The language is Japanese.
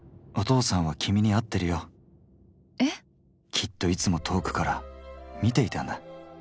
きっといつも遠くから見ていたんだ。